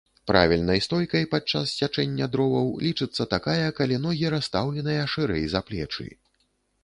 Правільнай стойкай падчас сячэння дроваў лічыцца такая, калі ногі расстаўленыя шырэй за плечы.